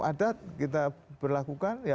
adat kita berlakukan ya